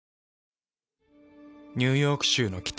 ニューヨーク州の北。